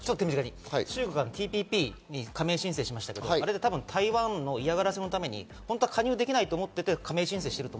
中国はＴＰＰに加盟申請しましたけど台湾への嫌がらせのために本当は加入できないと思って加盟申請している。